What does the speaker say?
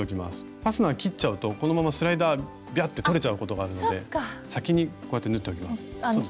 ファスナー切っちゃうとこのままスライダービャッて取れちゃうことがあるので先にこうやって縫っておきます。